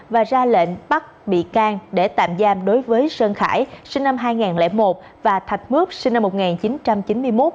và ra lệnh bắt bị can để tạm giam đối với sơn khải sinh năm hai nghìn một và thạch mướp sinh năm một nghìn chín trăm chín mươi một